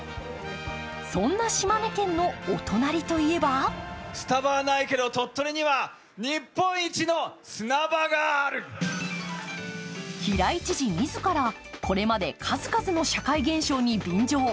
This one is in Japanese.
そんな島根県のお隣といえば平井知事自ら、これまで数々の社会現象に便乗。